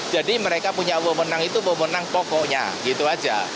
jadi mereka punya wpenang itu wpenang pokoknya gitu aja